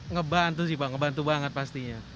ngebantu sih pak ngebantu banget pastinya